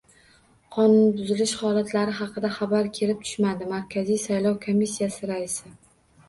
Qonunbuzilish holatlari haqida xabar kelib tushmadi — Markaziy saylov komissiyasi raisi